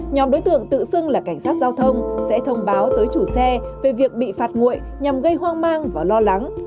nhóm đối tượng tự xưng là cảnh sát giao thông sẽ thông báo tới chủ xe về việc bị phạt nguội nhằm gây hoang mang và lo lắng